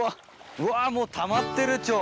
うわもうたまってる超。